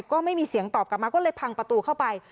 ก็ไม่มีเสียงตอบกลับมาก็เลยพังประตูเข้าไป